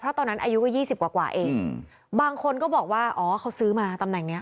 เพราะตอนนั้นอายุก็ยี่สิบกว่าเองบางคนก็บอกว่าอ๋อเขาซื้อมาตำแหน่งเนี้ย